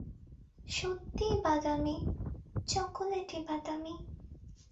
সত্যিই বাদামী, চকোলেটি বাদামী।